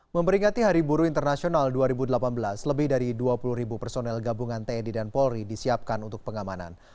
memperingati hari buru internasional dua ribu delapan belas lebih dari dua puluh ribu personel gabungan tni dan polri disiapkan untuk pengamanan